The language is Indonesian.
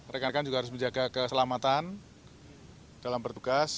rekan rekan juga harus menjaga keselamatan dalam bertugas